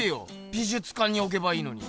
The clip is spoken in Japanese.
美術館におけばいいのに。